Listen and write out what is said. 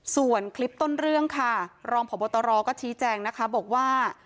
ส่วนคลิปต้นเรื่องค่ะรองพบตรก็ชี้แจงนะคะบอกว่า